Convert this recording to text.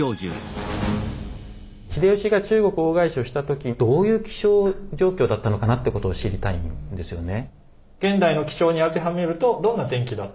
秀吉が中国大返しをした時どういう気象状況だったのかなってことを知りたいんですよね。